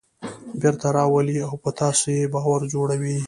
بېرته راولي او په تاسې یې باور جوړوي.